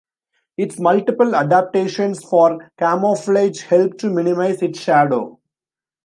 Its multiple adaptations for camouflage help to minimize its shadow.